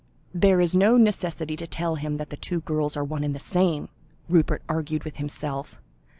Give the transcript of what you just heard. "There is no necessity to tell him that the two girls are one and the same," Rupert argued with himself.